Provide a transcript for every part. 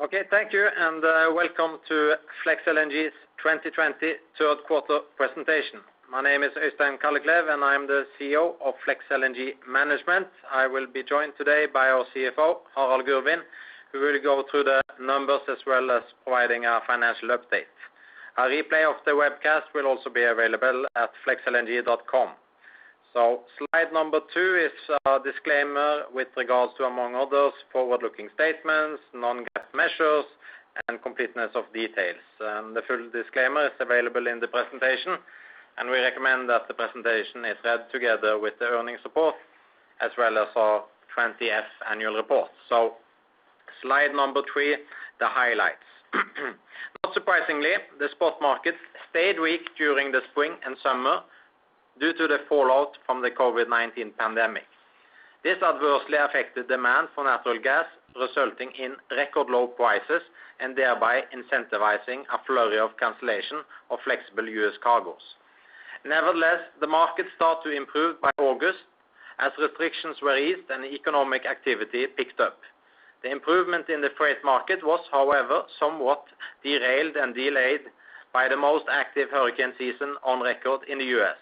Okay. Thank you, and welcome to Flex LNG's 2020 third quarter presentation. My name is Øystein Kalleklev, and I am the CEO of Flex LNG Management. I will be joined today by our CFO, Harald Gurvin, who will go through the numbers as well as providing our financial update. A replay of the webcast will also be available at flexlng.com. Slide number two is a disclaimer with regards to, among others, forward-looking statements, non-GAAP measures, and completeness of details. The full disclaimer is available in the presentation, and we recommend that the presentation is read together with the earnings report as well as our 20-F annual report. Slide number three, the highlights. Not surprisingly, the spot markets stayed weak during the spring and summer due to the fallout from the COVID-19 pandemic. This adversely affected demand for natural gas, resulting in record low prices and thereby incentivizing a flurry of cancellation of flexible U.S. cargoes. Nevertheless, the market started to improve by August as restrictions were eased and economic activity picked up. The improvement in the freight market was, however, somewhat derailed and delayed by the most active hurricane season on record in the U.S.,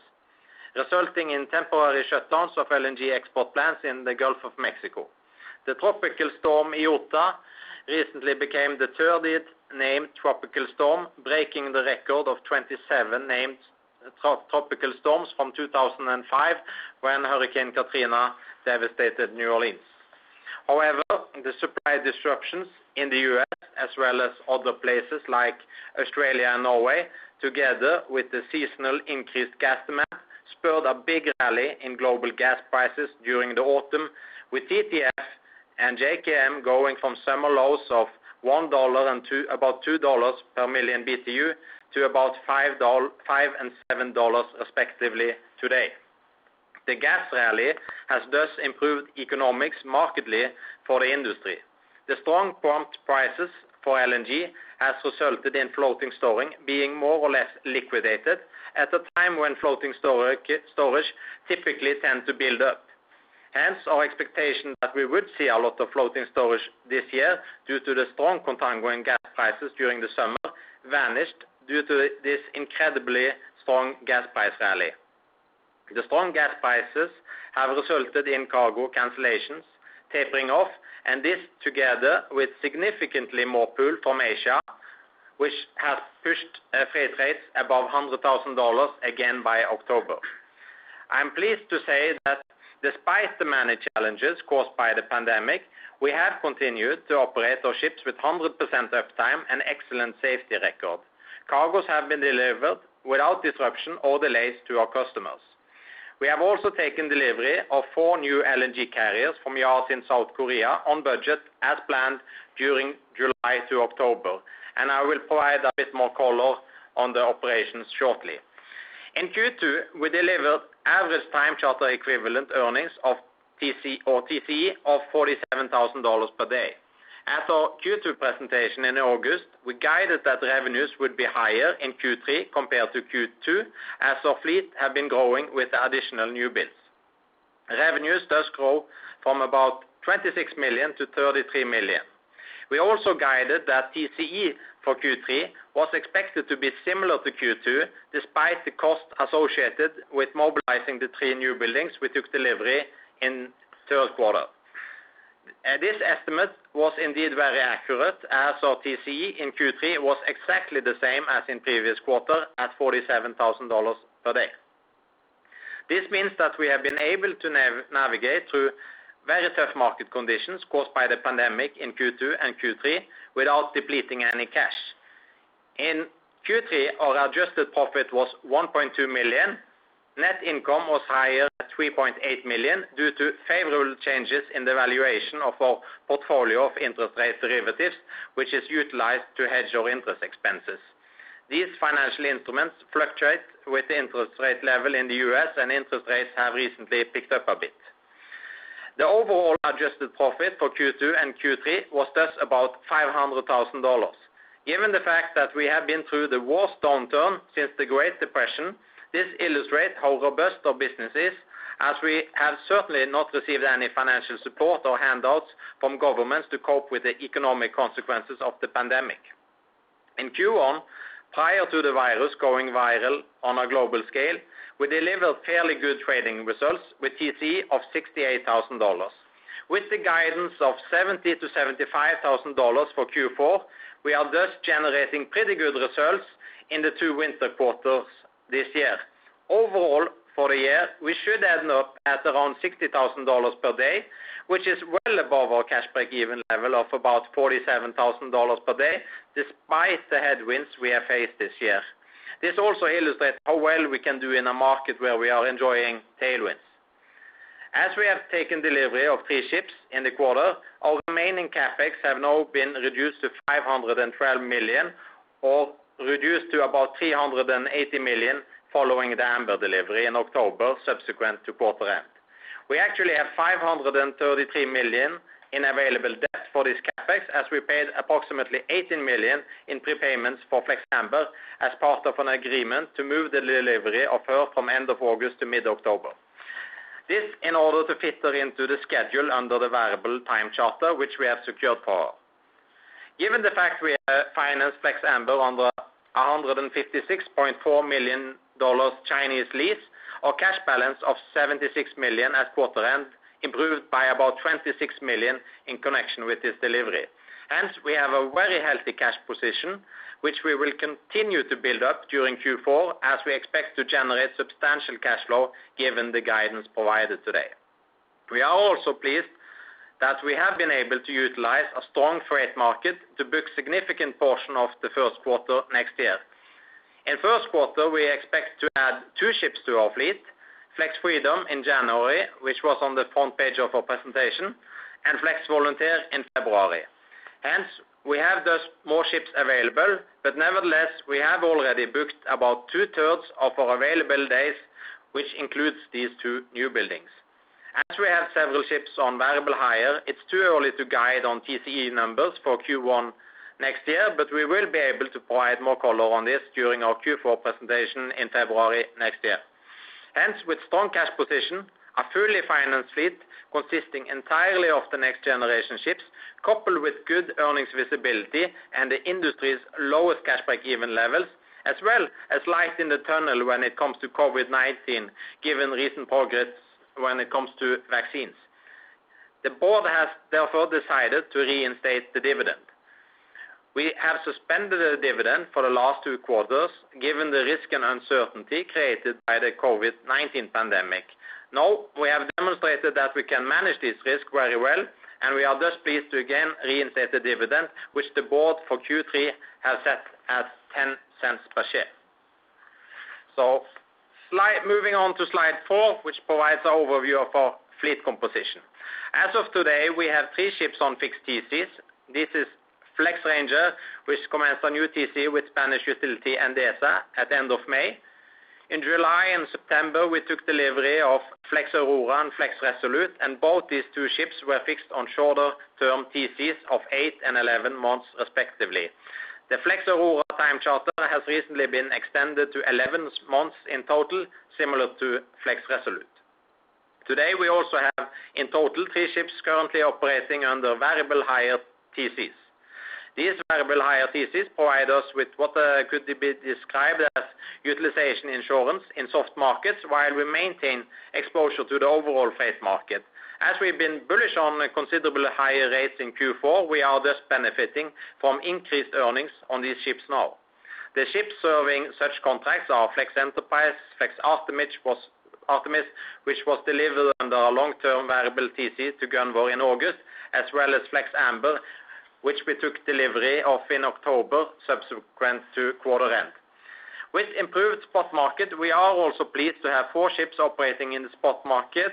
resulting in temporary shutdowns of LNG export plants in the Gulf of Mexico. The tropical storm, Iota, recently became the 30th named tropical storm, breaking the record of 27 named tropical storms from 2005, when Hurricane Katrina devastated New Orleans. However, the supply disruptions in the U.S. as well as other places like Australia and Norway, together with the seasonal increased gas demand, spurred a big rally in global gas prices during the autumn, with TTF and JKM going from summer lows of $1 and about $2 per million BTU to about $5 and $7 respectively today. The gas rally has thus improved economics markedly for the industry. The strong prompt prices for LNG has resulted in floating storage being more or less liquidated at a time when floating storage typically tend to build up. Hence, our expectation that we would see a lot of floating storage this year due to the strong contango in gas prices during the summer vanished due to this incredibly strong gas price rally. The strong gas prices have resulted in cargo cancellations tapering off. This together with significantly more pull from Asia, which has pushed freight rates above $100,000 again by October. I am pleased to say that despite the many challenges caused by the pandemic, we have continued to operate our ships with 100% uptime and excellent safety record. Cargoes have been delivered without disruption or delays to our customers. We have also taken delivery of four new LNG carriers from yards in South Korea on budget as planned during July to October. I will provide a bit more color on the operations shortly. In Q2, we delivered average time charter equivalent earnings of TCE of $47,000 per day. At our Q2 presentation in August, we guided that revenues would be higher in Q3 compared to Q2 as our fleet have been growing with the additional new builds. Revenues does grow from about $26 million to $33 million. We also guided that TCE for Q3 was expected to be similar to Q2, despite the cost associated with mobilizing the three newbuildings we took delivery in third quarter. This estimate was indeed very accurate as our TCE in Q3 was exactly the same as in previous quarter at $47,000 per day. This means that we have been able to navigate through very tough market conditions caused by the pandemic in Q2 and Q3 without depleting any cash. In Q3, our adjusted profit was $1.2 million. Net income was higher at $3.8 million due to favorable changes in the valuation of our portfolio of interest rate derivatives, which is utilized to hedge our interest expenses. These financial instruments fluctuate with the interest rate level in the U.S. and interest rates have recently picked up a bit. The overall adjusted profit for Q2 and Q3 was just about $500,000. Given the fact that we have been through the worst downturn since the Great Depression, this illustrates how robust our business is, as we have certainly not received any financial support or handouts from governments to cope with the economic consequences of the pandemic. In Q1, prior to the virus going viral on a global scale, we delivered fairly good trading results with TCE of $68,000. With the guidance of $70,000-$75,000 for Q4, we are thus generating pretty good results in the two winter quarters this year. Overall, for the year, we should end up at around $60,000 per day, which is well above our cash break-even level of about $47,000 per day, despite the headwinds we have faced this year. This also illustrates how well we can do in a market where we are enjoying tailwinds. As we have taken delivery of three ships in the quarter, our remaining CapEx have now been reduced to $512 million or reduced to about $380 million following the Amber delivery in October subsequent to quarter end. We actually have $533 million in available debt for this CapEx as we paid approximately $18 million in prepayments for Flex Amber as part of an agreement to move the delivery of her from end of August to mid-October. This in order to fit her into the schedule under the variable time charter which we have secured for her. Given the fact we have financed Flex Amber under $156.4 million Chinese lease, our cash balance of $76 million at quarter end improved by about $26 million in connection with this delivery. Hence, we have a very healthy cash position, which we will continue to build up during Q4 as we expect to generate substantial cash flow given the guidance provided today. We are also pleased that we have been able to utilize a strong freight market to book significant portion of the first quarter next year. In first quarter, we expect to add two ships to our fleet, Flex Freedom in January, which was on the front page of our presentation, and Flex Volunteer in February. Hence, we have thus more ships available, but nevertheless, we have already booked about two-thirds of our available days, which includes these two newbuildings. As we have several ships on variable hire, it is too early to guide on TCE numbers for Q1 next year, but we will be able to provide more color on this during our Q4 presentation in February next year. With strong cash position, a fully financed fleet consisting entirely of the next generation ships, coupled with good earnings visibility and the industry's lowest cash break-even levels, as well as light in the tunnel when it comes to COVID-19, given recent progress when it comes to vaccines. The Board has therefore decided to reinstate the dividend. We have suspended the dividend for the last two quarters, given the risk and uncertainty created by the COVID-19 pandemic. We have demonstrated that we can manage this risk very well, and we are just pleased to again reinstate the dividend, which the Board for Q3 has set at $0.10 per share. Moving on to slide four, which provides an overview of our fleet composition. As of today, we have three ships on fixed TCs. This is Flex Ranger, which commenced on new TC with Spanish utility Endesa at the end of May. In July and September, we took delivery of Flex Aurora and Flex Resolute, and both these two ships were fixed on shorter term TCs of eight and 11 months, respectively. The Flex Aurora time charter has recently been extended to 11 months in total, similar to Flex Resolute. Today, we also have in total three ships currently operating under variable hire TCs. These variable hire TCs provide us with what could be described as utilization insurance in soft markets, while we maintain exposure to the overall freight market. As we've been bullish on considerably higher rates in Q4, we are just benefiting from increased earnings on these ships now. The ships serving such contracts are Flex Enterprise, Flex Artemis, which was delivered under a long-term variable TC to Gunvor in August, as well as Flex Amber, which we took delivery of in October subsequent to quarter end. With improved spot market, we are also pleased to have four ships operating in the spot market.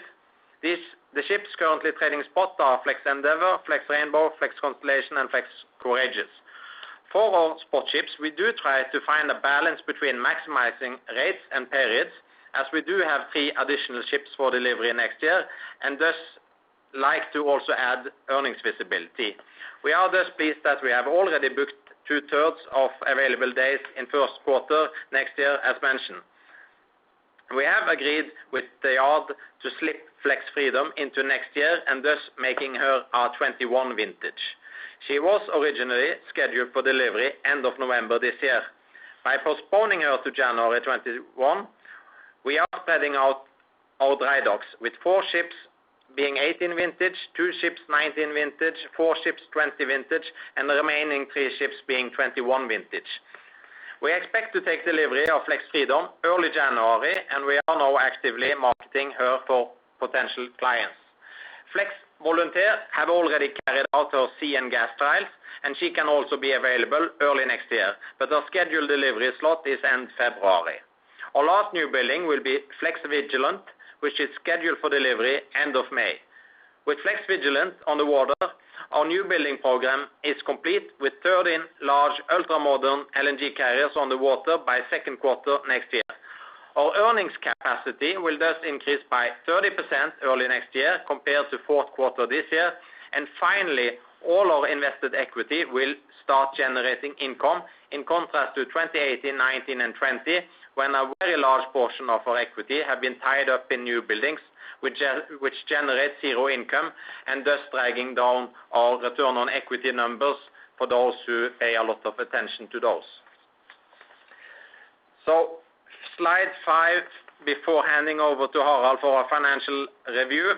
The ships currently trading spot are Flex Endeavour, Flex Rainbow, Flex Constellation and Flex Courageous. For our spot ships, we do try to find a balance between maximizing rates and periods, as we do have three additional ships for delivery next year and thus like to also add earnings visibility. We are just pleased that we have already booked two-thirds of available days in first quarter next year, as mentioned. We have agreed with the yard to slip Flex Freedom into next year and thus making her our 2021 vintage. She was originally scheduled for delivery end of November this year. By postponing her to January 2021, we are spreading out our dry docks, with four ships being 2018 vintage, two ships 2019 vintage, four ships 2020 vintage, and the remaining three ships being 2021 vintage. We expect to take delivery of Flex Freedom early January, and we are now actively marketing her for potential clients. Flex Volunteer have already carried out her sea and gas trials, and she can also be available early next year, but her scheduled delivery slot is end February. Our last newbuilding will be Flex Vigilant, which is scheduled for delivery end of May. With Flex Vigilant on the water, our newbuilding program is complete with 13 large ultra-modern LNG carriers on the water by second quarter next year. Our earnings capacity will thus increase by 30% early next year compared to fourth quarter this year. Finally, all our invested equity will start generating income, in contrast to 2018, 2019, and 2020, when a very large portion of our equity have been tied up in newbuildings, which generate zero income and thus dragging down our return on equity numbers for those who pay a lot of attention to those. Slide five before handing over to Harald for our financial review.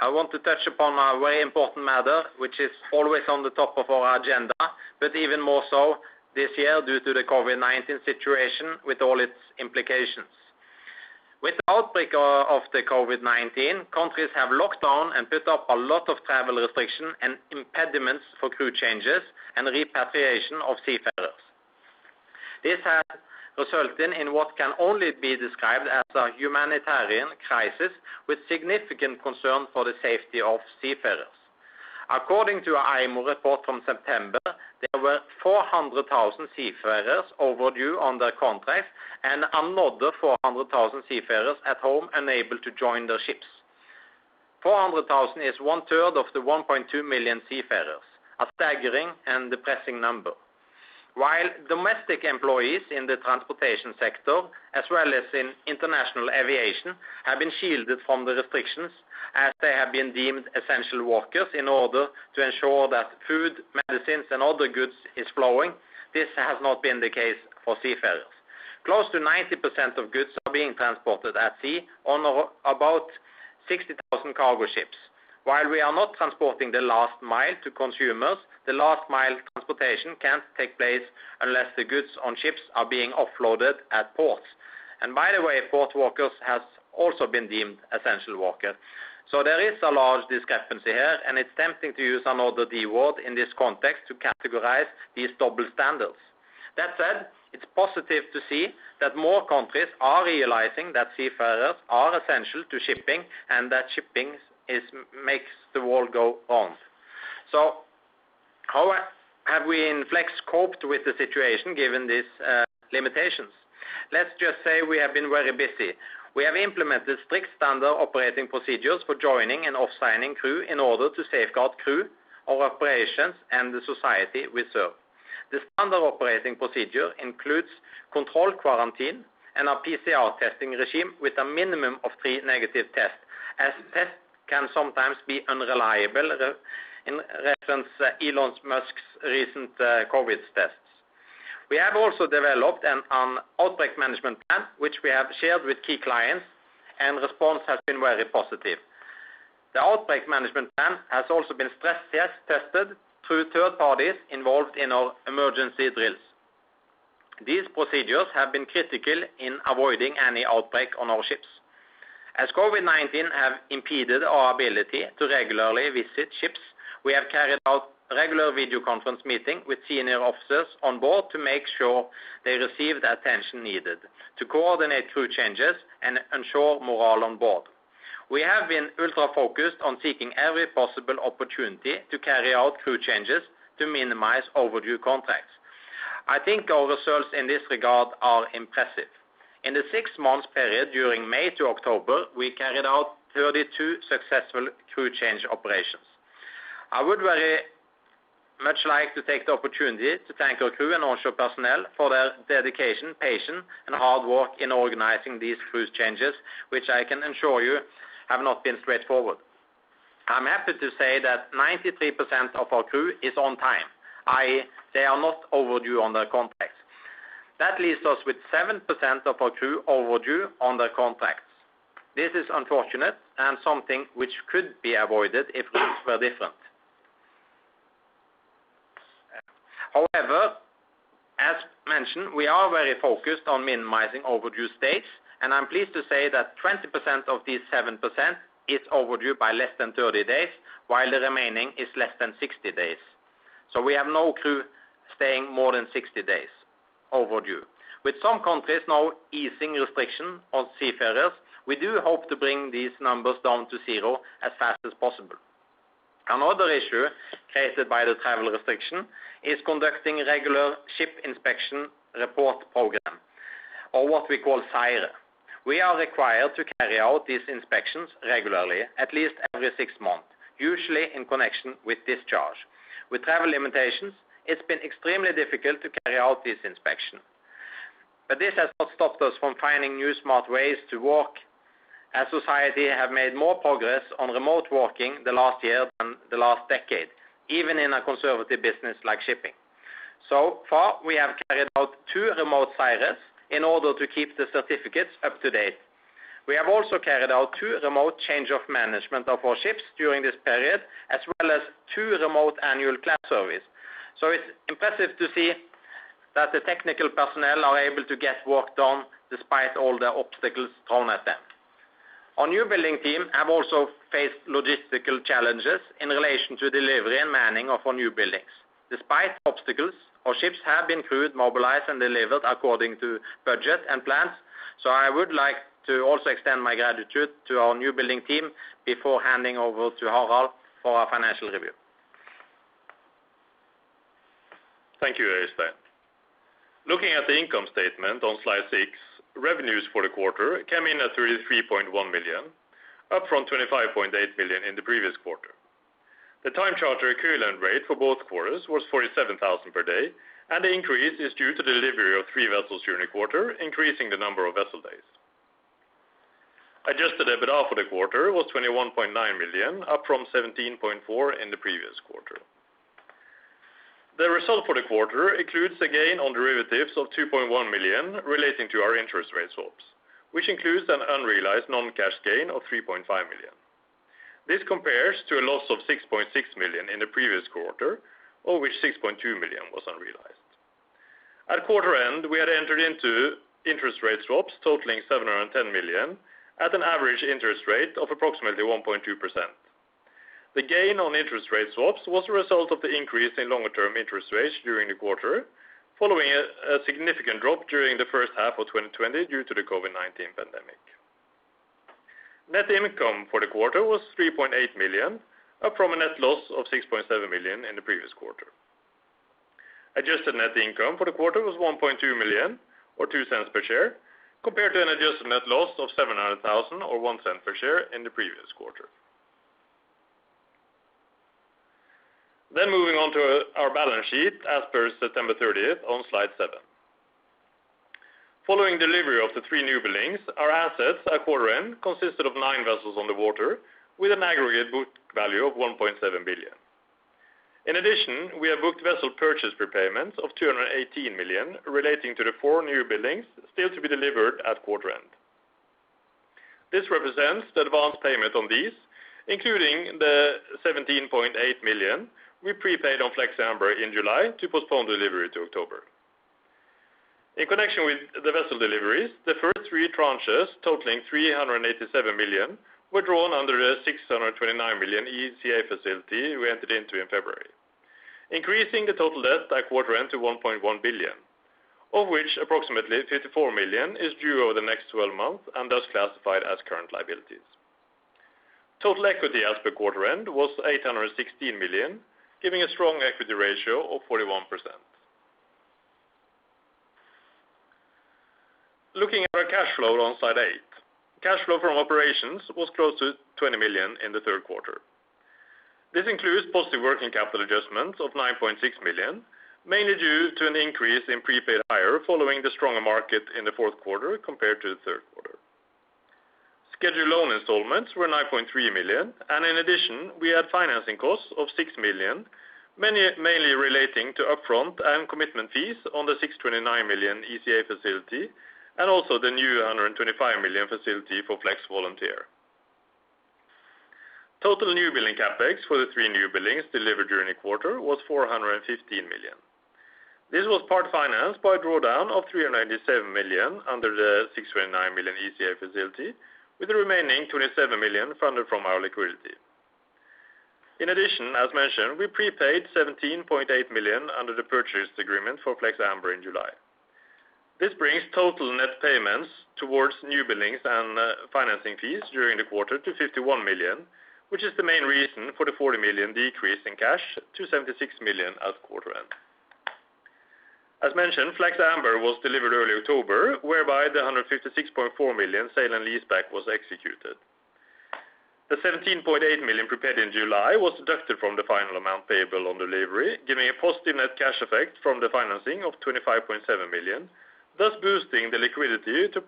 I want to touch upon a very important matter, which is always on the top of our agenda, but even more so this year due to the COVID-19 situation with all its implications. With the outbreak of the COVID-19, countries have locked down and put up a lot of travel restriction and impediments for crew changes and repatriation of seafarers. This has resulted in what can only be described as a humanitarian crisis with significant concern for the safety of seafarers. According to a IMO report from September, there were 400,000 seafarers overdue on their contracts and another 400,000 seafarers at home unable to join their ships. 400,000 is 1/3 of the 1.2 million seafarers, a staggering and depressing number. While domestic employees in the transportation sector, as well as in international aviation, have been shielded from the restrictions as they have been deemed essential workers in order to ensure that food, medicines, and other goods is flowing, this has not been the case for seafarers. Close to 90% of goods are being transported at sea on about 60,000 cargo ships. While we are not transporting the last mile to consumers, the last mile transportation can't take place unless the goods on ships are being offloaded at ports. By the way, port workers have also been deemed essential workers. There is a large discrepancy here, and it's tempting to use another D-word in this context to categorize these double standards. That said, it's positive to see that more countries are realizing that seafarers are essential to shipping and that shipping makes the world go on. How have we in Flex coped with the situation given these limitations? Let's just say we have been very busy. We have implemented strict standard operating procedures for joining and off-signing crew in order to safeguard crew, our operations, and the society we serve. The standard operating procedure includes control quarantine and a PCR testing regime with a minimum of three negative tests, as tests can sometimes be unreliable, in reference to Elon Musk's recent COVID tests. We have also developed an outbreak management plan, which we have shared with key clients, and response has been very positive. The outbreak management plan has also been stress tested through third parties involved in our emergency drills. These procedures have been critical in avoiding any outbreak on our ships. As COVID-19 has impeded our ability to regularly visit ships, we have carried out regular video conference meetings with senior officers on board to make sure they receive the attention needed to coordinate crew changes and ensure morale on board. We have been ultra-focused on seeking every possible opportunity to carry out crew changes to minimize overdue contracts. I think our results in this regard are impressive. In the six-month period during May to October, we carried out 32 successful crew change operations. I would very much like to take the opportunity to thank our crew and onshore personnel for their dedication, patience, and hard work in organizing these crew changes, which I can assure you have not been straightforward. I am happy to say that 93% of our crew is on time, i.e., they are not overdue on their contracts. That leaves us with 7% of our crew overdue on their contracts. This is unfortunate and something which could be avoided if things were different. However, as mentioned, we are very focused on minimizing overdue stays, and I am pleased to say that 20% of this 7% is overdue by less than 30 days, while the remaining is less than 60 days. We have no crew staying more than 60 days overdue. With some countries now easing restrictions on seafarers, we do hope to bring these numbers down to zero as fast as possible. Another issue created by the travel restriction is conducting regular ship inspection report program, or what we call SIRE. We are required to carry out these inspections regularly, at least every six months, usually in connection with discharge. With travel limitations, it has been extremely difficult to carry out these inspections. This has not stopped us from finding new, smart ways to work, as society has made more progress on remote working in the last year than the last decade, even in a conservative business like shipping. So far, we have carried out two remote SIREs in order to keep the certificates up to date. We have also carried out two remote change of management of our ships during this period, as well as two remote annual class surveys. It's impressive to see that the technical personnel are able to get work done despite all the obstacles thrown at them. Our newbuilding team have also faced logistical challenges in relation to delivery and manning of our newbuildings. Despite obstacles, our ships have been crewed, mobilized, and delivered according to budget and plans. I would like to also extend my gratitude to our newbuilding team before handing over to Harald for our financial review. Thank you, Øystein. Looking at the income statement on slide six, revenues for the quarter came in at $33.1 million, up from $25.8 million in the previous quarter. The time charter equivalent rate for both quarters was $47,000 per day, and the increase is due to delivery of three vessels during the quarter, increasing the number of vessel days. Adjusted EBITDA for the quarter was $21.9 million, up from $17.4 million in the previous quarter. The result for the quarter includes a gain on derivatives of $2.1 million relating to our interest rate swaps, which includes an unrealized non-cash gain of $3.5 million. This compares to a loss of $6.6 million in the previous quarter, of which $6.2 million was unrealized. At quarter end, we had entered into interest rate swaps totaling $710 million at an average interest rate of approximately 1.2%. The gain on interest rate swaps was a result of the increase in longer-term interest rates during the quarter, following a significant drop during the first half of 2020 due to the COVID-19 pandemic. Net income for the quarter was $3.8 million, up from a net loss of $6.7 million in the previous quarter. Adjusted net income for the quarter was $1.2 million or $0.02 per share, compared to an adjusted net loss of $700,000 or $0.01 per share in the previous quarter. Moving on to our balance sheet as per September 30th on slide seven. Following delivery of the three newbuildings, our assets at quarter end consisted of nine vessels on the water with an aggregate book value of $1.7 billion. In addition, we have booked vessel purchase prepayments of $218 million relating to the four newbuildings still to be delivered at quarter end. This represents the advance payment on these, including the $17.8 million we prepaid on Flex Amber in July to postpone delivery to October. In connection with the vessel deliveries, the first three tranches totaling $387 million were drawn under the $629 million ECA facility we entered into in February, increasing the total debt at quarter end to $1.1 billion, of which approximately $54 million is due over the next 12 months and thus classified as current liabilities. Total equity as per quarter end was $816 million, giving a strong equity ratio of 41%. Looking at our cash flow on slide eight. Cash flow from operations was close to $20 million in the third quarter. This includes positive working capital adjustments of $9.6 million, mainly due to an increase in prepaid hire following the stronger market in the fourth quarter compared to the third quarter. Scheduled loan installments were $9.3 million, and in addition, we had financing costs of $6 million, mainly relating to upfront and commitment fees on the $629 million ECA facility and also the new $125 million facility for Flex Volunteer. Total newbuilding CapEx for the three newbuildings delivered during the quarter was $415 million. This was part-financed by a drawdown of $387 million under the $629 million ECA facility, with the remaining $27 million funded from our liquidity. In addition, as mentioned, we prepaid $17.8 million under the purchase agreement for Flex Amber in July. This brings total net payments towards newbuildings and financing fees during the quarter to $51 million, which is the main reason for the $40 million decrease in cash to $76 million at quarter end. As mentioned, Flex Amber was delivered early October, whereby the $156.4 million sale and lease back was executed. The $17.8 million prepaid in July was deducted from the final amount payable on delivery, giving a positive net cash effect from the financing of $25.7 million, thus boosting the liquidity to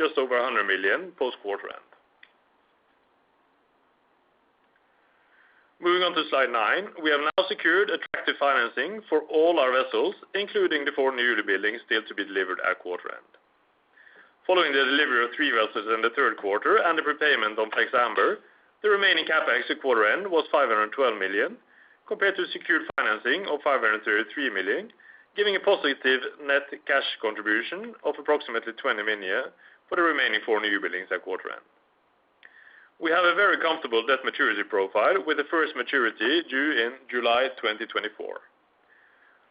just over $100 million post quarter end. Moving on to slide nine. We have now secured attractive financing for all our vessels, including the four newbuildings still to be delivered at quarter end. Following the delivery of three vessels in the third quarter and the prepayment on Flex Amber, the remaining CapEx at quarter end was $512 million, compared to secured financing of $533 million, giving a positive net cash contribution of approximately $20 million for the remaining four newbuildings at quarter end. We have a very comfortable debt maturity profile with the first maturity due in July 2024.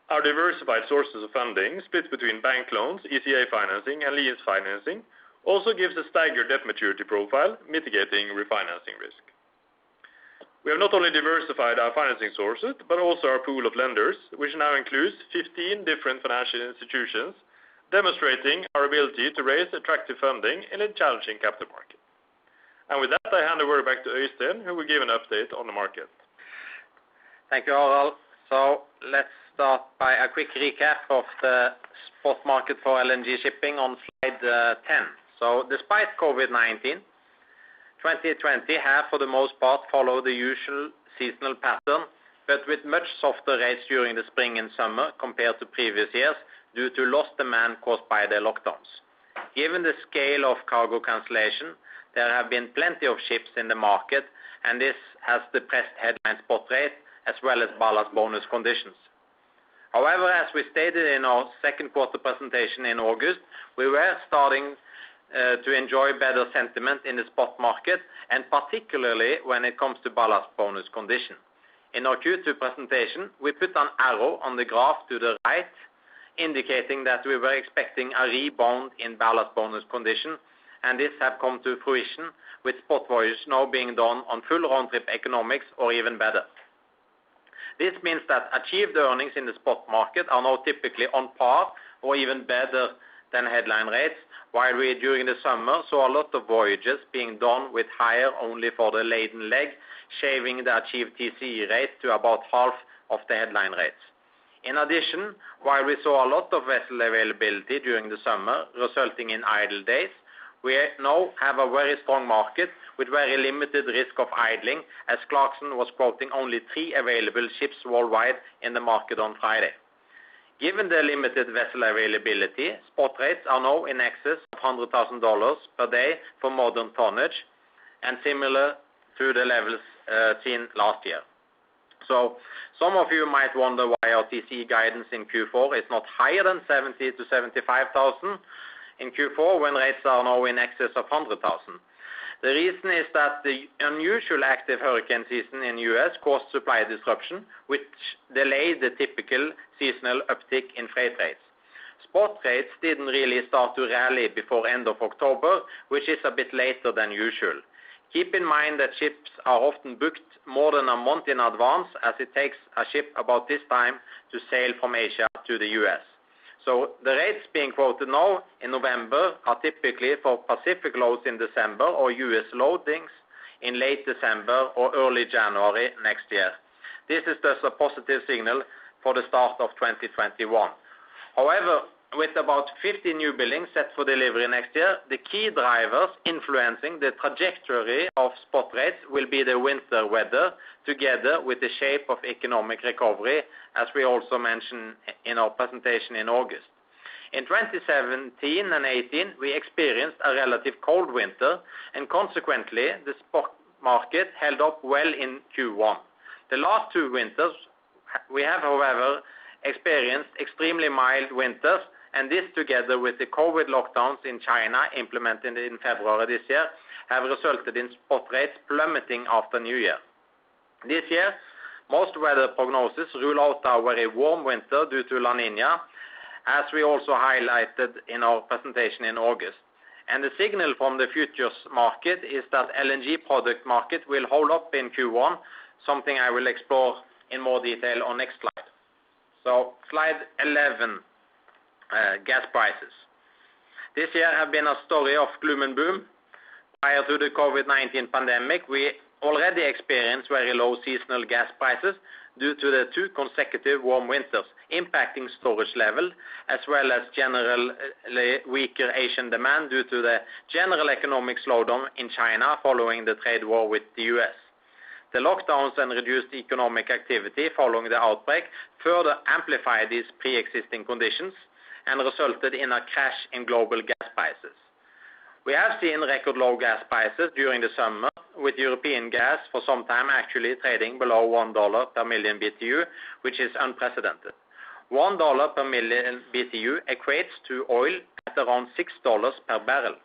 Our diversified sources of funding split between bank loans, ECA financing, and lease financing also gives a staggered debt maturity profile, mitigating refinancing risk. We have not only diversified our financing sources, but also our pool of lenders, which now includes 15 different financial institutions, demonstrating our ability to raise attractive funding in a challenging capital market. With that, I hand over back to Øystein, who will give an update on the market. Thank you, Harald. Let's start by a quick recap of the spot market for LNG shipping on slide 10. Despite COVID-19, 2020 has for the most part followed the usual seasonal pattern, but with much softer rates during the spring and summer compared to previous years due to lost demand caused by the lockdowns. Given the scale of cargo cancellation, there have been plenty of ships in the market, and this has depressed headlines spot rates as well as ballast bonus conditions. However, as we stated in our second quarter presentation in August, we were starting to enjoy better sentiment in the spot market, and particularly when it comes to ballast bonus condition. In our Q2 presentation, we put an arrow on the graph to the right, indicating that we were expecting a rebound in ballast bonus condition. This has come to fruition with spot voyages now being done on full round-trip economics or even better. This means that achieved earnings in the spot market are now typically on par or even better than headline rates, while we during the summer saw a lot of voyages being done with hire only for the laden leg, shaving the achieved TCE rate to about half of the headline rates. In addition, while we saw a lot of vessel availability during the summer, resulting in idle days, we now have a very strong market with very limited risk of idling, as Clarksons was quoting only three available ships worldwide in the market on Friday. Given the limited vessel availability, spot rates are now in excess of $100,000 per day for modern tonnage and similar to the levels seen last year. Some of you might wonder why our TCE guidance in Q4 is not higher than $70,000-$75,000 in Q4 when rates are now in excess of $100,000. The reason is that the unusual active hurricane season in U.S. caused supply disruption, which delayed the typical seasonal uptick in freight rates. Spot rates didn't really start to rally before end of October, which is a bit later than usual. Keep in mind that ships are often booked more than a month in advance, as it takes a ship about this time to sail from Asia to the U.S. The rates being quoted now in November are typically for Pacific loads in December or U.S. loadings in late December or early January next year. This is just a positive signal for the start of 2021. However, with about 50 newbuildings set for delivery next year, the key drivers influencing the trajectory of spot rates will be the winter weather together with the shape of economic recovery, as we also mentioned in our presentation in August. In 2017 and 2018, we experienced a relative cold winter, and consequently, the spot market held up well in Q1. The last two winters, we have, however, experienced extremely mild winters, and this together with the COVID lockdowns in China implemented in February this year, have resulted in spot rates plummeting after New Year. This year, most weather prognosis rule out a very warm winter due to La Niña, as we also highlighted in our presentation in August. The signal from the futures market is that LNG product market will hold up in Q1, something I will explore in more detail on next slide. Slide 11, gas prices this year have been a story of gloom and boom. Prior to the COVID-19 pandemic, we already experienced very low seasonal gas prices due to the two consecutive warm winters impacting storage level, as well as generally weaker Asian demand due to the general economic slowdown in China following the trade war with the U.S. The lockdowns and reduced economic activity following the outbreak further amplified these preexisting conditions and resulted in a crash in global gas prices. We have seen record low gas prices during the summer with European gas for some time actually trading below $1 per million BTU, which is unprecedented. $1 per million BTU equates to oil at around $6 per barrel.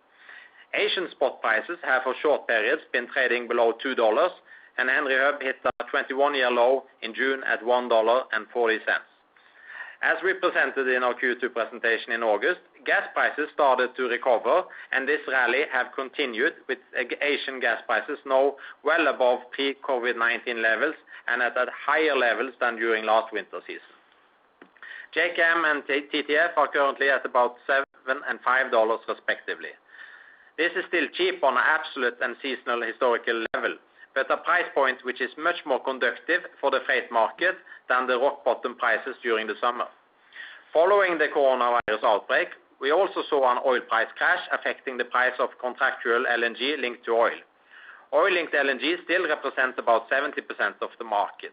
Asian spot prices have for short periods been trading below $2. Henry Hub hit a 21-year low in June at $1.40. As we presented in our Q2 presentation in August, gas prices started to recover. This rally have continued with Asian gas prices now well above pre-COVID-19 levels and at higher levels than during last winter season. JKM and TTF are currently at about $7 and $5 respectively. This is still cheap on an absolute and seasonal historical level, a price point which is much more conducive for the freight market than the rock bottom prices during the summer. Following the coronavirus outbreak, we also saw an oil price crash affecting the price of contractual LNG linked to oil. Oil-linked LNG still represents about 70% of the market.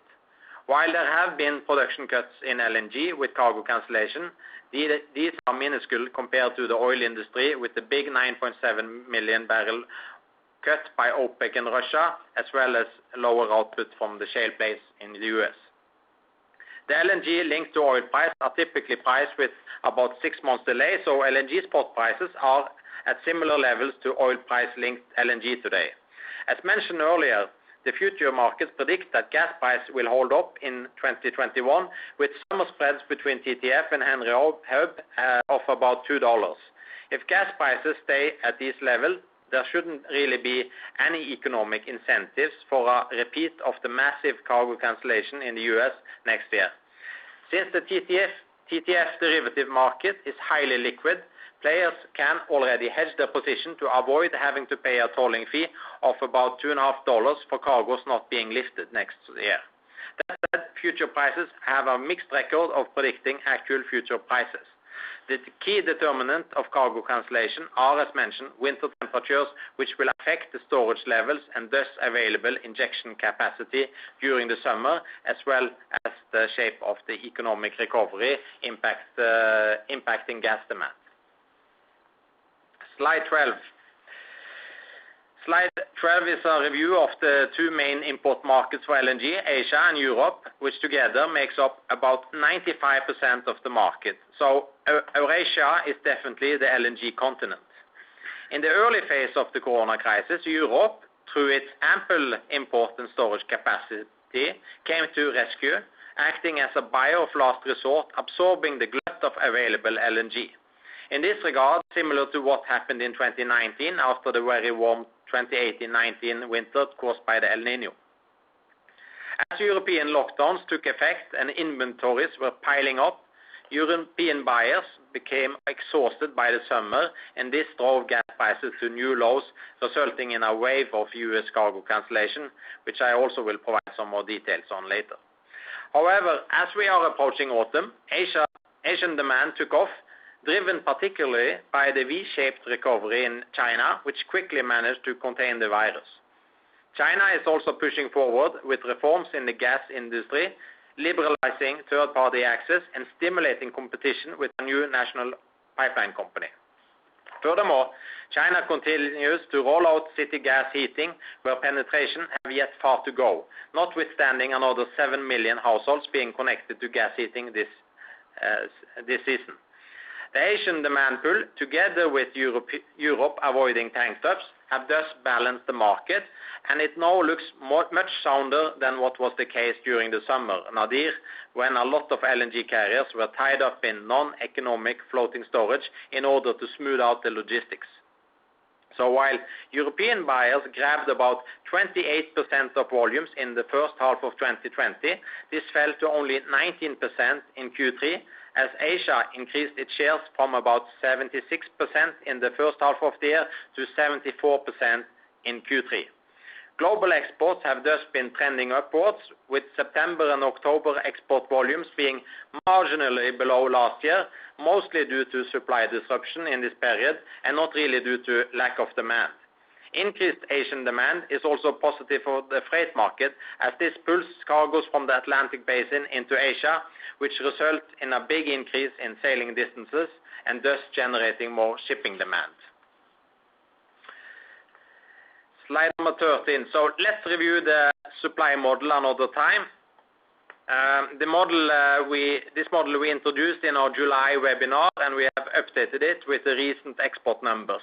While there have been production cuts in LNG with cargo cancellation, these are minuscule compared to the oil industry with the 9.7 million barrel cut by OPEC and Russia, as well as lower output from the shale plays in the U.S. The LNG linked to oil price are typically priced with about six months delay, so LNG spot prices are at similar levels to oil price-linked LNG today. As mentioned earlier, the future markets predict that gas price will hold up in 2021 with summer spreads between TTF and Henry Hub of about $2. If gas prices stay at this level, there shouldn't really be any economic incentives for a repeat of the massive cargo cancellation in the U.S. next year. Since the TTF derivative market is highly liquid, players can already hedge their position to avoid having to pay a tolling fee of about $2.5 for cargoes not being lifted next year. That said, future prices have a mixed record of predicting actual future prices. The key determinant of cargo cancellation are, as mentioned, winter temperatures, which will affect the storage levels and thus available injection capacity during the summer as well as the shape of the economic recovery impacting gas demand. Slide 12. Slide 12 is a review of the two main import markets for LNG, Asia and Europe, which together makes up about 95% of the market. Eurasia is definitely the LNG continent. In the early phase of the corona crisis, Europe, through its ample import and storage capacity, came to rescue, acting as a buyer of last resort, absorbing the glut of available LNG. In this regard, similar to what happened in 2019 after the very warm 2018-2019 winter caused by the El Niño. As European lockdowns took effect and inventories were piling up, European buyers became exhausted by the summer, and this drove gas prices to new lows, resulting in a wave of U.S. cargo cancellation, which I also will provide some more details on later. However, as we are approaching autumn, Asian demand took off, driven particularly by the V-shaped recovery in China, which quickly managed to contain the virus. China is also pushing forward with reforms in the gas industry, liberalizing third-party access and stimulating competition with a new national pipeline company. Furthermore, China continues to roll out city gas heating where penetration have yet far to go, notwithstanding another 7 million households being connected to gas heating this season. The Asian demand pool, together with Europe avoiding tank tops, have thus balanced the market. It now looks much sounder than what was the case during the summer nadir, when a lot of LNG carriers were tied up in non-economic floating storage in order to smooth out the logistics. While European buyers grabbed about 28% of volumes in the first half of 2020, this fell to only 19% in Q3 as Asia increased its shares from about 76% in the first half of the year to 74% in Q3. Global exports have just been trending upwards, with September and October export volumes being marginally below last year, mostly due to supply disruption in this period and not really due to lack of demand. Increased Asian demand is also positive for the freight market as this pulls cargoes from the Atlantic basin into Asia, which results in a big increase in sailing distances and thus generating more shipping demand. Slide number 13. Let's review the supply model another time. This model we introduced in our July webinar, and we have updated it with the recent export numbers.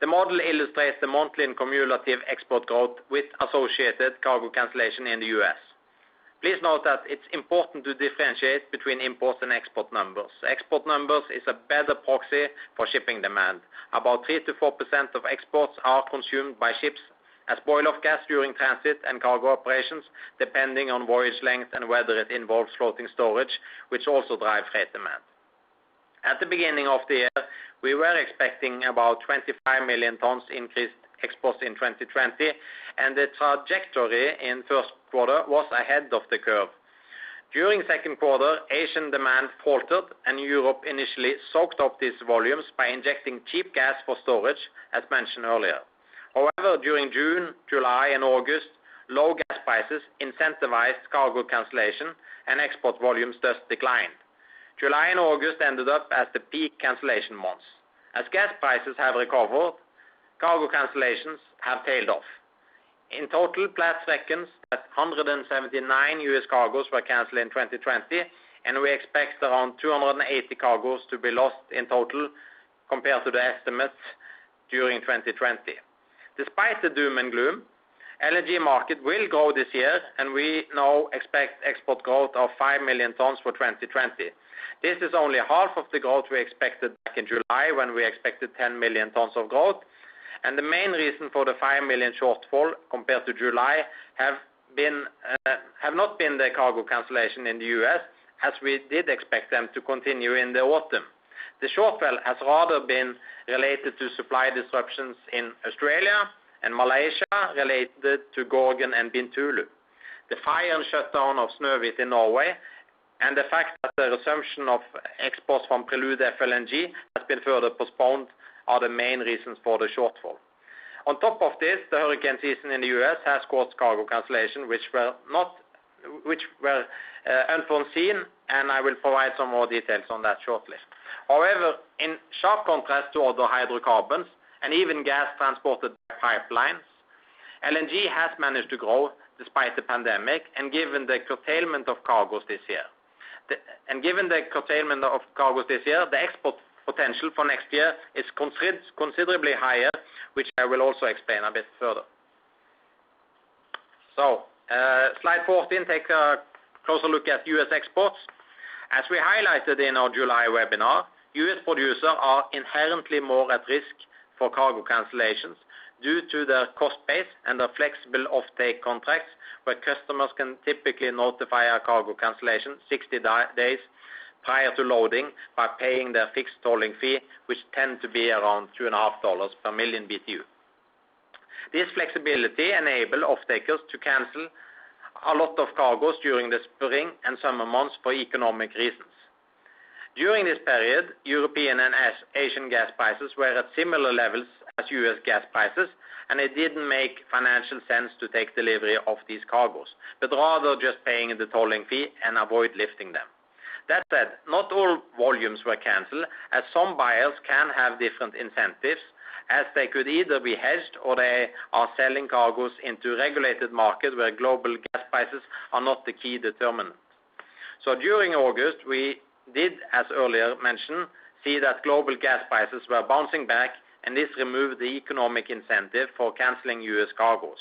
The model illustrates the monthly and cumulative export growth with associated cargo cancellation in the U.S. Please note that it's important to differentiate between import and export numbers. Export numbers is a better proxy for shipping demand. About 3%-4% of exports are consumed by ships as boil-off gas during transit and cargo operations, depending on voyage length and whether it involves floating storage, which also drive freight demand. At the beginning of the year, we were expecting about 25 million tons increased exports in 2020, and the trajectory in the first quarter was ahead of the curve. During the second quarter, Asian demand faltered, and Europe initially soaked up these volumes by injecting cheap gas for storage, as mentioned earlier. However, during June, July, and August, low gas prices incentivized cargo cancellation and export volumes thus declined. July and August ended up as the peak cancellation months. As gas prices have recovered, cargo cancellations have tailed off. In total, Platts reckons that 179 U.S. cargoes were canceled in 2020, and we expect around 280 cargoes to be lost in total compared to the estimates during 2020. Despite the doom and gloom, the LNG market will grow this year, and we now expect export growth of 5 million tons for 2020. This is only half of the growth we expected back in July when we expected 10 million tons of growth. The main reason for the 5 million shortfall compared to July have not been the cargo cancellation in the U.S., as we did expect them to continue in the autumn. The shortfall has rather been related to supply disruptions in Australia and Malaysia related to Gorgon and Bintulu. The fire and shutdown of Snøhvit in Norway and the fact that the resumption of exports from Prelude FLNG has been further postponed are the main reasons for the shortfall. On top of this, the hurricane season in the U.S. has caused cargo cancellation, which were unforeseen, and I will provide some more details on that shortly. However, in sharp contrast to other hydrocarbons and even gas transported by pipelines, LNG has managed to grow despite the pandemic and given the curtailment of cargoes this year. Given the curtailment of cargoes this year, the export potential for next year is considerably higher, which I will also explain a bit further. Slide 14 takes a closer look at U.S. exports. As we highlighted in our July webinar, U.S. producers are inherently more at risk for cargo cancellations due to their cost base and their flexible offtake contracts where customers can typically notify a cargo cancellation 60 days prior to loading by paying their fixed tolling fee, which tends to be around $2.50 per million BTU. This flexibility enables off-takers to cancel a lot of cargoes during the spring and summer months for economic reasons. During this period, European and Asian gas prices were at similar levels as U.S. gas prices, and it didn't make financial sense to take delivery of these cargoes, but rather just paying the tolling fee and avoid lifting them. That said, not all volumes were canceled as some buyers can have different incentives as they could either be hedged or they are selling cargoes into regulated markets where global gas prices are not the key determinant. During August, we did, as earlier mentioned, see that global gas prices were bouncing back and this removed the economic incentive for canceling U.S. cargoes.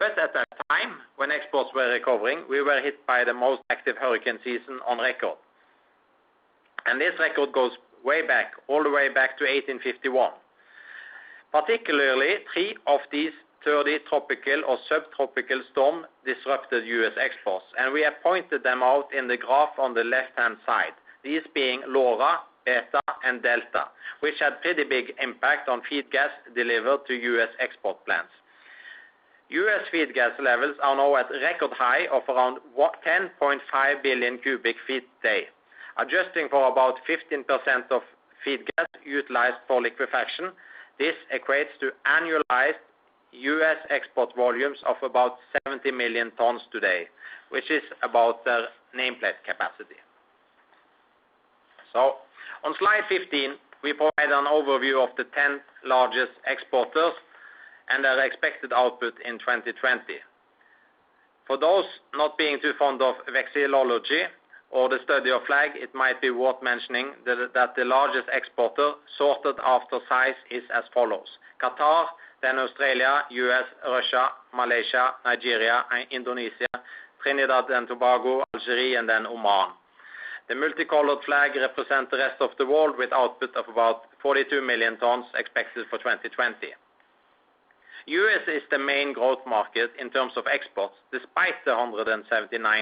At that time, when exports were recovering, we were hit by the most active hurricane season on record. This record goes way back, all the way back to 1851. Particularly, three of these 30 tropical or subtropical storms disrupted U.S. exports, and we have pointed them out in the graph on the left-hand side. These being Laura, Beta, and Delta, which had a pretty big impact on feed gas delivered to U.S. export plants. U.S. feed gas levels are now at a record high of around 10.5 billion cubic feet a day. Adjusting for about 15% of feed gas utilized for liquefaction, this equates to annualized U.S. export volumes of about 70 million tons today, which is about their nameplate capacity. On slide 15, we provide an overview of the 10 largest exporters and their expected output in 2020. For those not being too fond of vexillology or the study of flag, it might be worth mentioning that the largest exporter, sorted after size, is as follows: Qatar, Australia, U.S., Russia, Malaysia, Nigeria, Indonesia, Trinidad and Tobago, Algeria, and Oman. The multicolored flag represents the rest of the world with output of about 42 million tons expected for 2020. U.S. is the main growth market in terms of exports, despite the 179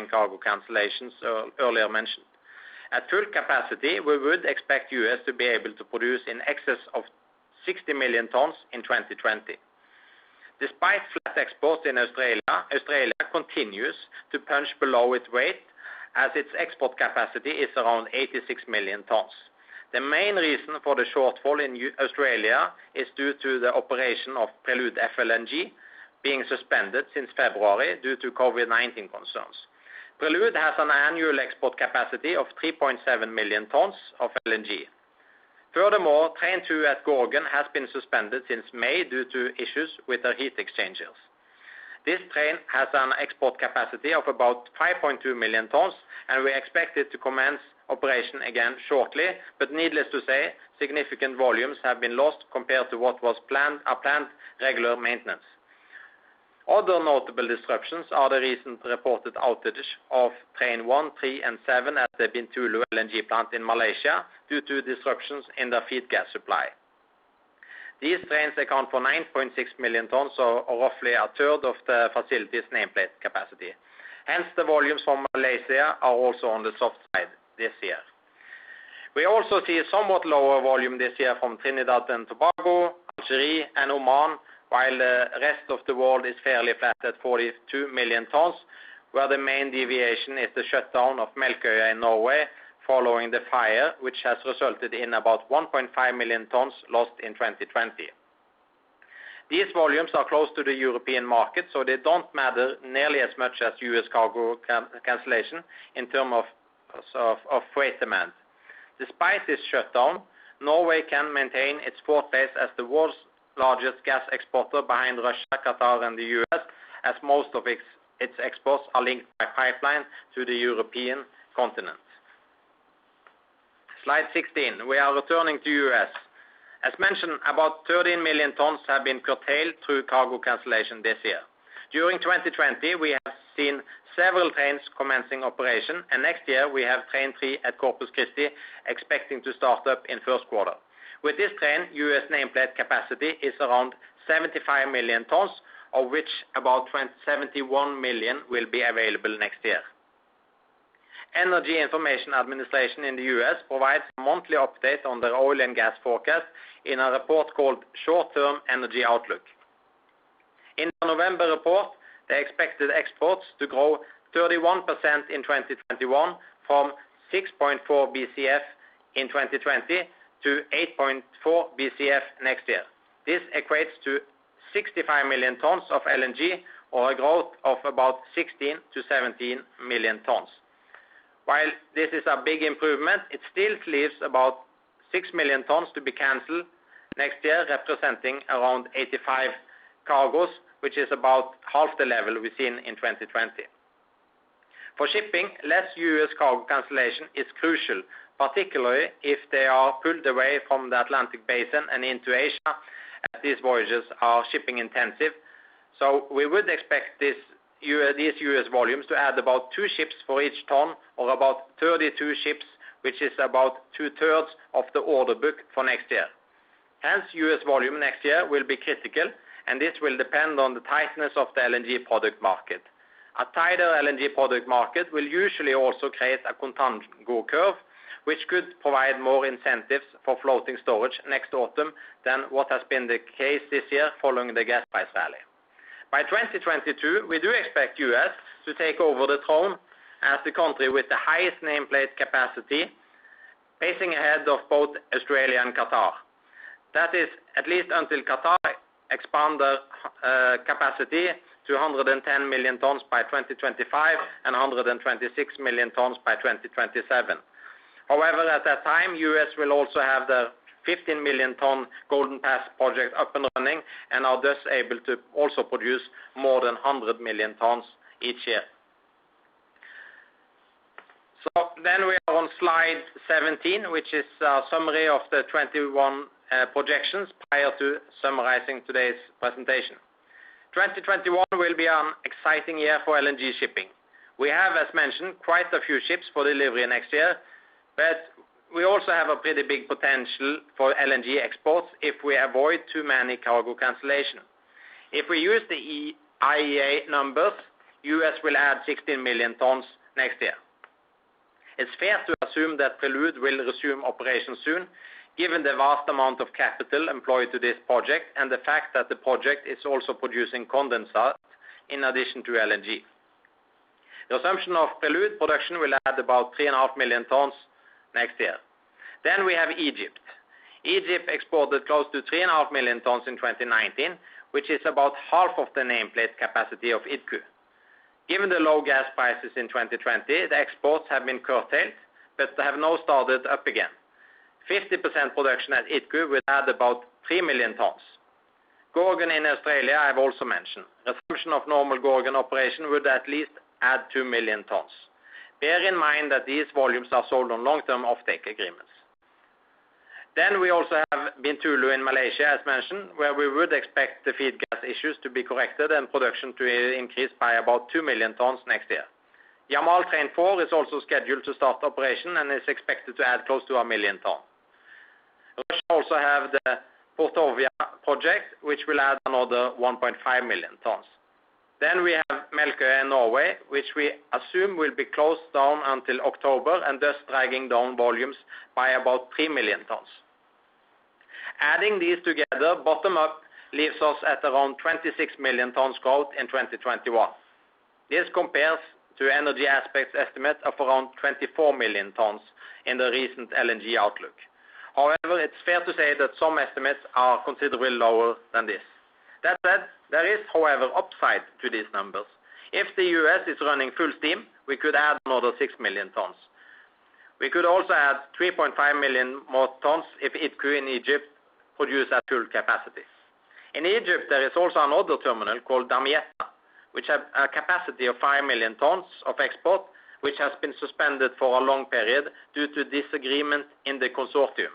cargo cancellations earlier mentioned. At full capacity, we would expect U.S. to be able to produce in excess of 60 million tons in 2020. Despite flat exports in Australia continues to punch below its weight as its export capacity is around 86 million tons. The main reason for the shortfall in Australia is due to the operation of Prelude FLNG being suspended since February due to COVID-19 concerns. Prelude has an annual export capacity of 3.7 million tons of LNG. Furthermore, Train 2 at Gorgon has been suspended since May due to issues with their heat exchangers. This train has an export capacity of about 5.2 million tons, and we expect it to commence operation again shortly. Needless to say, significant volumes have been lost compared to what was planned regular maintenance. Other notable disruptions are the recent reported outage of Train 1, 3, and 7 at the Bintulu LNG plant in Malaysia due to disruptions in their feed gas supply. These trains account for 9.6 million tons or roughly a 1/3 of the facility's nameplate capacity. Hence, the volumes from Malaysia are also on the soft side this year. We also see a somewhat lower volume this year from Trinidad and Tobago, Algeria and Oman, while the rest of the world is fairly flat at 42 million tons, where the main deviation is the shutdown of Melkøya in Norway following the fire, which has resulted in about 1.5 million tons lost in 2020. These volumes are close to the European market, so they don't matter nearly as much as U.S. cargo cancellation in terms of freight demand. Despite this shutdown, Norway can maintain its fortress as the world's largest gas exporter behind Russia, Qatar, and the U.S., as most of its exports are linked by pipeline to the European continent. Slide 16. We are returning to U.S. As mentioned, about 13 million tons have been curtailed through cargo cancellation this year. During 2020, we have seen several trains commencing operation, and next year we have Train 3 at Corpus Christi expecting to start up in first quarter. With this train, U.S. nameplate capacity is around 75 million tons, of which about 71 million will be available next year. Energy Information Administration in the U.S. provides a monthly update on their oil and gas forecast in a report called Short-Term Energy Outlook. In the November report, they expected exports to grow 31% in 2021 from 6.4 BCF in 2020 to 8.4 BCF next year. This equates to 65 million tons of LNG, or a growth of about 16 million-17 million tons. While this is a big improvement, it still leaves about 6 million tons to be canceled next year, representing around 85 cargos, which is about half the level we've seen in 2020. For shipping, less U.S. cargo cancellation is crucial, particularly if they are pulled away from the Atlantic Basin and into Asia, as these voyages are shipping intensive. We would expect these U.S. volumes to add about two ships for each ton or about 32 ships, which is about two-thirds of the order book for next year. Hence, U.S. volume next year will be critical, and this will depend on the tightness of the LNG product market. A tighter LNG product market will usually also create a contango curve, which could provide more incentives for floating storage next autumn than what has been the case this year following the gas price rally. By 2022, we do expect U.S. to take over the throne as the country with the highest nameplate capacity, pacing ahead of both Australia and Qatar. That is at least until Qatar expand their capacity to 110 million tons by 2025 and 126 million tons by 2027. However, at that time, U.S. will also have the 15-million-ton Golden Pass project up and running and are thus able to also produce more than 100 million tons each year. We are on slide 17, which is a summary of the 2021 projections prior to summarizing today's presentation. 2021 will be an exciting year for LNG shipping. We have, as mentioned, quite a few ships for delivery next year, but we also have a pretty big potential for LNG exports if we avoid too many cargo cancellation. If we use the EIA numbers, U.S. will add 16 million tons next year. It's fair to assume that Prelude will resume operations soon, given the vast amount of capital employed to this project and the fact that the project is also producing condensate in addition to LNG. The assumption of Prelude production will add about 3.5 million tons next year. We have Egypt. Egypt exported close to 3.5 million tons in 2019, which is about half of the nameplate capacity of Idku. Given the low gas prices in 2020, the exports have been curtailed but have now started up again. 50% production at Idku will add about 3 million tons. Gorgon in Australia, I have also mentioned. Resumption of normal Gorgon operation would at least add 2 million tons. Bear in mind that these volumes are sold on long-term offtake agreements. We also have Bintulu in Malaysia, as mentioned, where we would expect the feed gas issues to be corrected and production to increase by about 2 million tons next year. Yamal Train 4 is also scheduled to start operation and is expected to add close to 1 million tons. Russia also have the Portovaya project, which will add another 1.5 million tons. We have Melkøya in Norway, which we assume will be closed down until October, and thus dragging down volumes by about 3 million tons. Adding these together bottom-up leaves us at around 26 million tons growth in 2021. This compares to Energy Aspects' estimate of around 24 million tons in the recent LNG outlook. It's fair to say that some estimates are considerably lower than this. There is, however, upside to these numbers. If the U.S. is running full steam, we could add another 6 million tons. We could also add 3.5 million more tons if Idku in Egypt produce at full capacity. In Egypt, there is also another terminal called Damietta, which have a capacity of 5 million tons of export, which has been suspended for a long period due to disagreement in the consortium.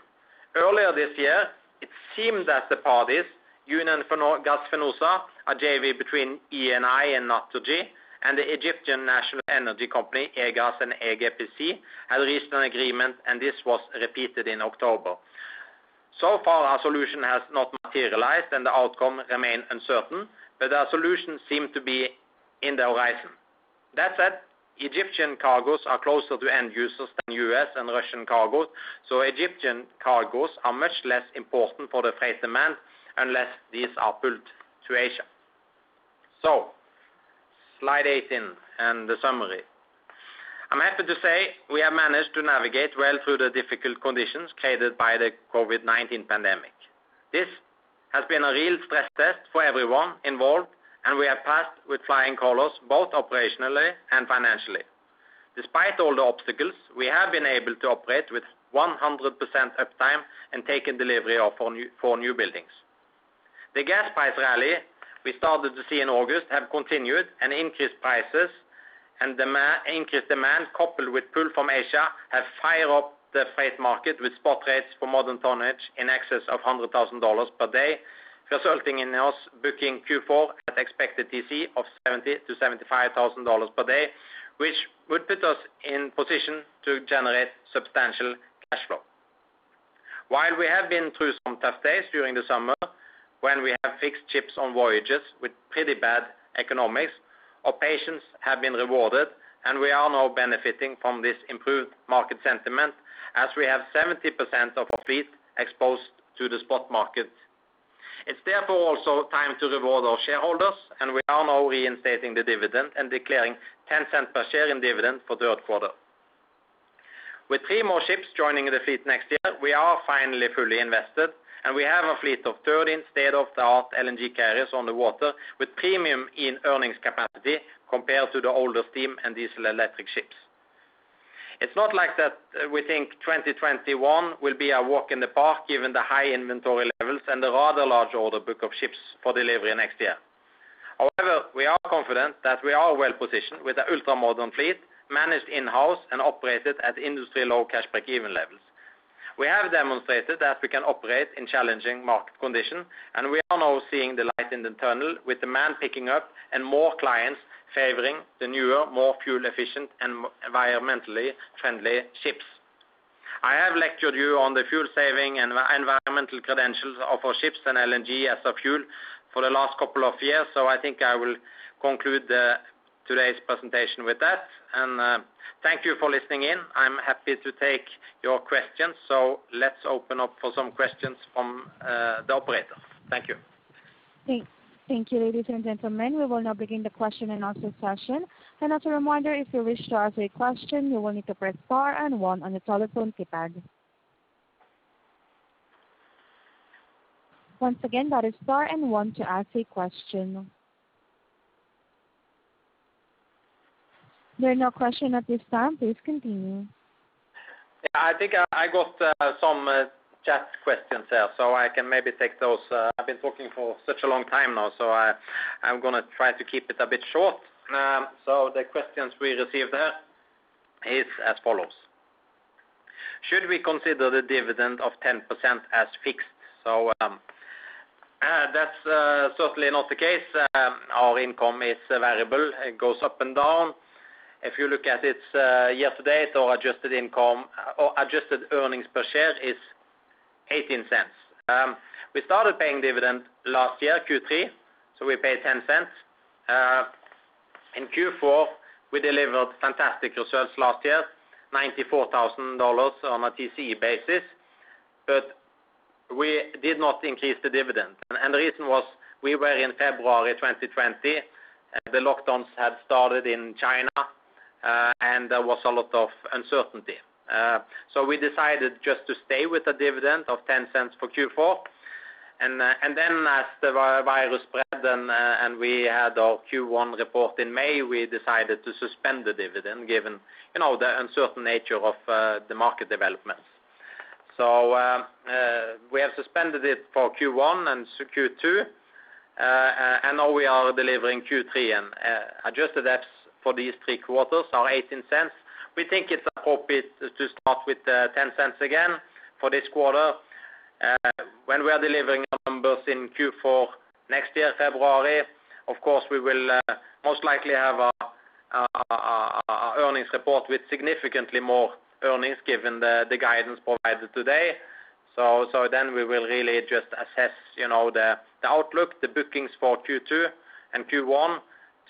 Earlier this year, it seemed that the parties, Unión Fenosa Gas, a JV between Eni and Naturgy, and the Egyptian Natural Energy Company, EGAS and EGPC, had reached an agreement. This was repeated in October. So far, a solution has not materialized and the outcome remain uncertain. A solution seem to be in the horizon. That said, Egyptian cargoes are closer to end users than U.S. and Russian cargoes. Egyptian cargoes are much less important for the freight demand unless these are pulled to Asia. Slide 18 and the summary. I'm happy to say we have managed to navigate well through the difficult conditions created by the COVID-19 pandemic. This has been a real stress test for everyone involved, and we have passed with flying colors, both operationally and financially. Despite all the obstacles, we have been able to operate with 100% uptime and taken delivery of four newbuildings. The gas price rally we started to see in August have continued and increased prices and increased demand coupled with pull from Asia have fired up the freight market with spot rates for modern tonnage in excess of $100,000 per day, resulting in us booking Q4 at expected TC of $70,000-$75,000 per day, which would put us in position to generate substantial cash flow. While we have been through some tough days during the summer when we have fixed ships on voyages with pretty bad economics, our patience have been rewarded, and we are now benefiting from this improved market sentiment as we have 70% of our fleet exposed to the spot market. It's therefore also time to reward our shareholders, and we are now reinstating the dividend and declaring $0.10 per share in dividend for third quarter. With three more ships joining the fleet next year, we are finally fully invested, and we have a fleet of 13 state-of-the-art LNG carriers on the water with premium in earnings capacity compared to the older steam and diesel electric ships. It's not like that we think 2021 will be a walk in the park given the high inventory levels and the rather large order book of ships for delivery next year. We are confident that we are well positioned with an ultra-modern fleet, managed in-house and operated at industry low cash break-even levels. We have demonstrated that we can operate in challenging market conditions, we are now seeing the light in the tunnel with demand picking up and more clients favoring the newer, more fuel efficient and environmentally friendly ships. I have lectured you on the fuel saving and environmental credentials of our ships and LNG as a fuel for the last couple of years, I think I will conclude today's presentation with that. Thank you for listening in. I'm happy to take your questions. Let's open up for some questions from the operator. Thank you. Thank you, ladies and gentlemen. We will now begin the question and answer session. As a reminder, if you wish to ask a question, you will need to press star and one on your telephone keypad. Once again, that is star and one to ask a question. There are no question at this time. Please continue. Yeah, I think I got some chat questions here. I can maybe take those. I've been talking for such a long time now. I'm going to try to keep it a bit short. The questions we received there is as follows. Should we consider the dividend of 10% as fixed? That's certainly not the case. Our income is variable. It goes up and down. If you look at it, year-to-date our adjusted earnings per share is $0.18. We started paying dividend last year, Q3. We paid $0.10. In Q4, we delivered fantastic results last year, $94,000 on a TCE basis. We did not increase the dividend. The reason was we were in February 2020. The lockdowns had started in China. There was a lot of uncertainty. We decided just to stay with the dividend of $0.10 for Q4. As the virus spread and we had our Q1 report in May, we decided to suspend the dividend given the uncertain nature of the market developments. We have suspended it for Q1 and Q2, and now we are delivering Q3 and adjusted EPS for these three quarters are $0.18. We think it is appropriate to start with $0.10 again for this quarter. When we are delivering numbers in Q4 next year, February, of course, we will most likely have our earnings report with significantly more earnings given the guidance provided today. We will really just assess the outlook, the bookings for Q2 and Q1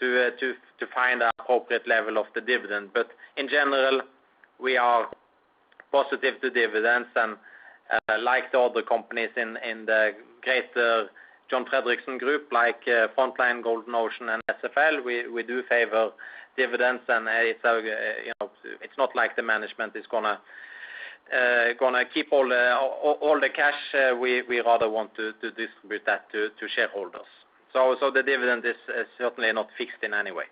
to find an appropriate level of the dividend. In general, we are positive to dividends and like the other companies in the greater John Fredriksen Group like Frontline, Golden Ocean, and SFL, we do favor dividends, and it is not like the management is going to keep all the cash. We rather want to distribute that to shareholders. The dividend is certainly not fixed in any way.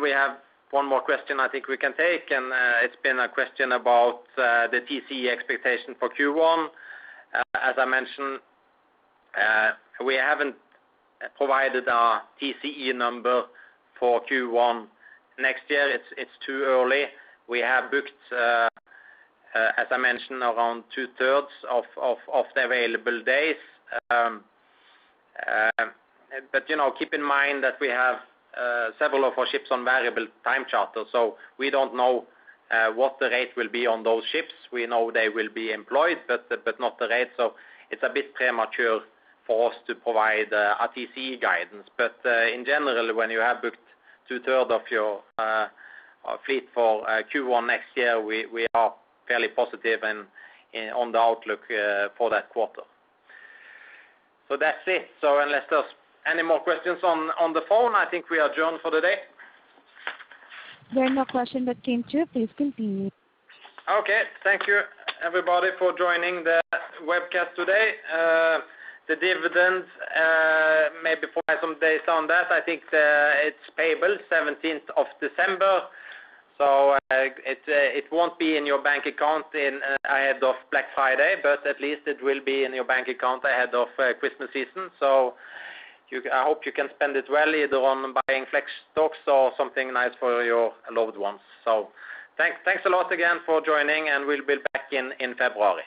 We have one more question I think we can take, and it has been a question about the TCE expectation for Q1. As I mentioned, we haven't provided our TCE number for Q1 next year. It is too early. We have booked, as I mentioned, around two-thirds of the available days. Keep in mind that we have several of our ships on variable time charter, so we don't know what the rate will be on those ships. We know they will be employed, but not the rate. It is a bit premature for us to provide a TCE guidance. In general, when you have booked two-third of your fleet for Q1 next year, we are fairly positive on the outlook for that quarter. That is it. Unless there is any more questions on the phone, I think we are adjourned for the day. There are no questions that came through. Please continue. Okay. Thank you everybody for joining the webcast today. The dividend, maybe provide some dates on that. I think it is payable 17th of December, so it won't be in your bank account ahead of Black Friday, but at least it will be in your bank account ahead of Christmas season. I hope you can spend it well either on buying Flex stocks or something nice for your loved ones. Thanks a lot again for joining, and we will be back in February.